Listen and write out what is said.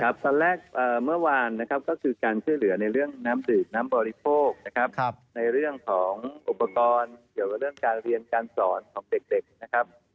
ตอนแรกเมื่อวานนะครับก็คือการช่วยเหลือในเรื่องน้ำดื่มน้ำบริโภคนะครับในเรื่องของอุปกรณ์เกี่ยวกับเรื่องการเรียนการสอนของเด็กนะครับ